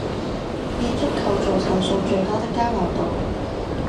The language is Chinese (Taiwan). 建築構造層數最多的交流道